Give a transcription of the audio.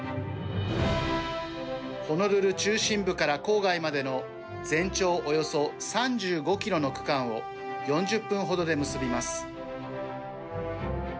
ホノルル中心部から郊外までの全長およそ３５キロの区間を４０分ほどで結びます。